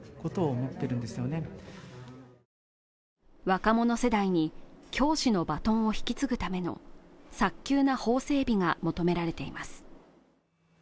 若者世代に教師のバトンを引き継ぐための早急な法整備が求められています。